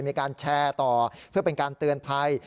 มีการแชร์ต่อเพื่อเป็นการเตือนภัย